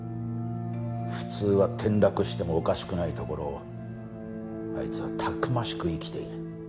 普通は転落してもおかしくないところをあいつはたくましく生きている。